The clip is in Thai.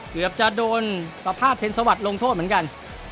เกือบจะโดนประพาทเพ็ญสวัสดิ์ลงโทษเหมือนกัน